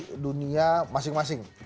di dunia masing masing